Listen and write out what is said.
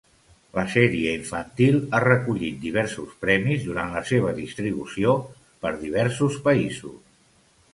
La sèrie infantil ha recollit diversos premis durant la seva distribució per diversos països.